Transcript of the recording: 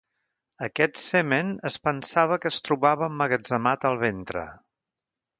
Aquest semen es pensava que es trobava emmagatzemat al ventre.